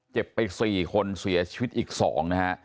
เจ็บไป๔คนเสียชีวิตอีก๒นะฮะ